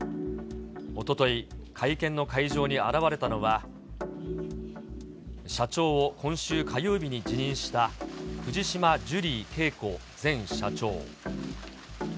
おととい、会見の会場に現れたのは、社長を今週火曜日に辞任した藤島ジュリー景子前社長。